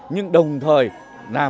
nhưng đồng thời làm